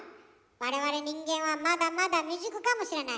我々人間はまだまだ未熟かもしれない。